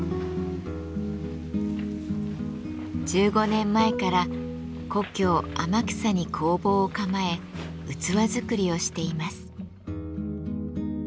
１５年前から故郷天草に工房を構え器作りをしています。